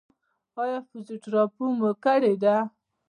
ایا فزیوتراپي مو کړې ده؟